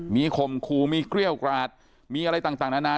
มีข่มขู่มีเกรี้ยวกราดมีอะไรต่างนานา